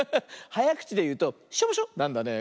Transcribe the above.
はやくちでいうと「しょぼしょ」なんだね。